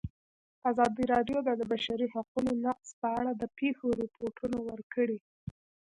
ازادي راډیو د د بشري حقونو نقض په اړه د پېښو رپوټونه ورکړي.